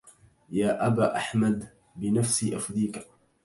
يا أبا أحمد بنفسي أفديك